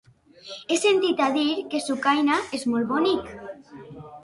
He sentit a dir que Sucaina és molt bonic.